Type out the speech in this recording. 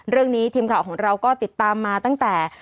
เรื่องนี้ทีมข่าวของเราก็ติดตามมาตั้งแต่